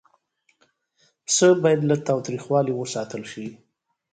پسه باید له تاوتریخوالي وساتل شي.